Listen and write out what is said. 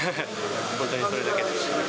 本当にそれだけでした。